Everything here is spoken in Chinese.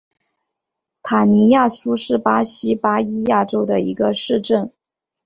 塔尼亚苏是巴西巴伊亚州的一个市镇。